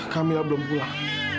kamilah belum pulang